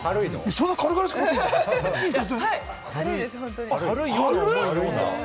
そんな軽々しく持っていいんですか？